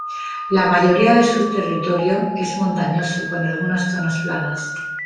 La mayoría de su territorio es montañoso con algunas zonas planas.